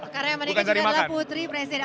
karena yang menikah juga adalah putri presiden